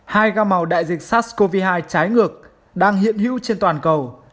hai gam màu đại dịch sars cov hai trái ngược đang hiện hữu trên toàn cầu